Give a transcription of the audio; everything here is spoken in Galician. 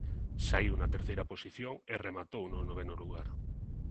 Saíu na terceira posición e rematou no noveno lugar.